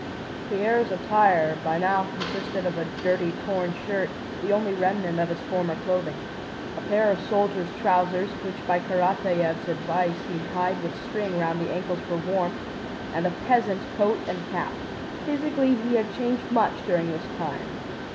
Pierre's attire by now consisted of a dirty torn shirt (the only remnant of his former clothing), a pair of soldier's trousers which by Karatáev's advice he tied with string round the ankles for warmth, and a peasant coat and cap. Physically he had changed much during this time.